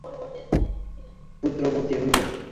বারাঙ্গনা গর্ভবতী ও যথাকালে পুত্রবতী হইল।